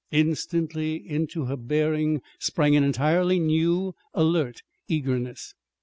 Instantly into her bearing sprang an entirely new, alert eagerness.